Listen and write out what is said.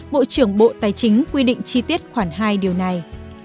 bộ trưởng bộ tài chính quy định chi tiết khoản hai điều này